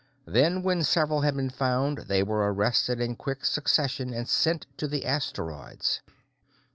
Then, when several had been found, they were arrested in quick succession and sent to the asteroids.